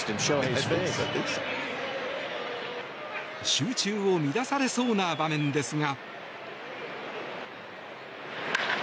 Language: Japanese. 集中を乱されそうな場面ですが。